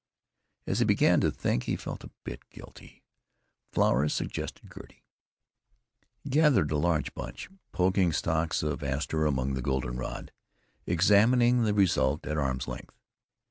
As he began to think he felt a bit guilty. The flowers suggested Gertie. He gathered a large bunch, poking stalks of aster among the goldenrod, examining the result at arm's length.